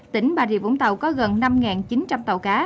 tỉnh bà rịa vũng tàu có gần năm chín trăm linh tàu cá